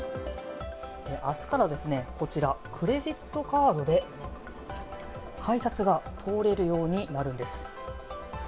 明日からこちら、クレジットカードで改札が通れるようになるんです。